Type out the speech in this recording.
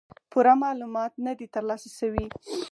پوره معلومات نۀ دي تر لاسه شوي